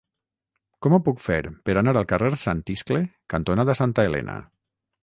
Com ho puc fer per anar al carrer Sant Iscle cantonada Santa Elena?